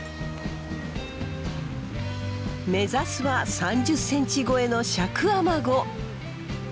目指すは３０ｃｍ超えの尺アマゴ。